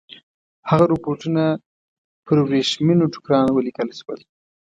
هغه رپوټونه پر ورېښمینو ټوکرانو ولیکل شول.